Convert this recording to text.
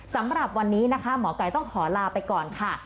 สำหรับวันนี้นะคะหมอไก่ต้องขอลาไปก่อนค่ะ